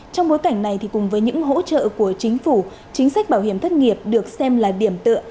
trong bối cảnh này cùng với những hỗ trợ của chính phủ chính sách bảo hiểm thất nghiệp được xem là điểm tựa